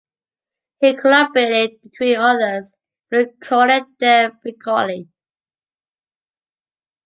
He collaborated, between others, with the Corriere dei Piccoli.